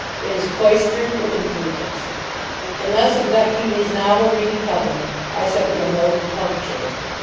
It is Cloyster with improvements. In thus abducting his novel reading public I shall feel no compunction.